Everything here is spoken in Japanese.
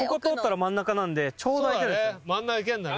真ん中いけんだね。